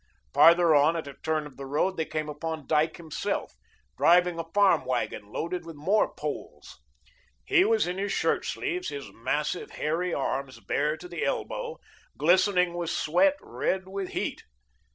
Farther on at a turn of the road, they came upon Dyke himself, driving a farm wagon loaded with more poles. He was in his shirt sleeves, his massive, hairy arms bare to the elbow, glistening with sweat, red with heat.